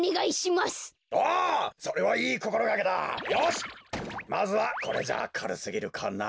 まずはこれじゃあかるすぎるかな？